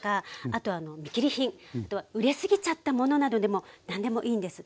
あとは熟れすぎちゃったものなどでも何でもいいんです。